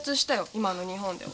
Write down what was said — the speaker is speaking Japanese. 今の日本では。